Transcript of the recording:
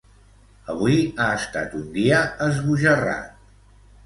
Avui ha estat un dia esbojarrat.